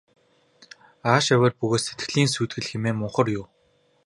Ааш авир бөгөөс сэтгэлийн сүйтгэл хэмээн мунхар юу.